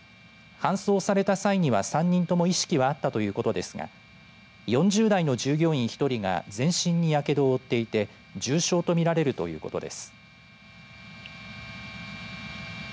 搬送された際には、３人とも意識はあったということですが４０代の従業員１人が全身にやけどを負っていて重傷とみられるということです。